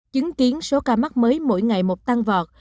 chứng kiến số ca mắc mới mỗi ngày một tăng vọt